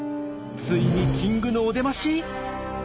ついにキングのお出まし？